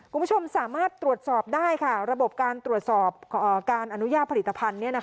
คุณผู้ชมสามารถตรวจสอบได้ค่ะระบบการตรวจสอบการอนุญาตผลิตภัณฑ์